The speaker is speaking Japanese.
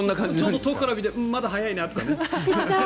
遠くから見てまだ早いかなとか。